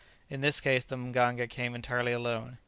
In this case the mganga came entirely alone.